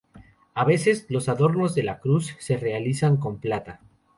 A veces, los adornos de la cruz se realizan con plata.